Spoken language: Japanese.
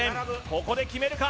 ここで決めるか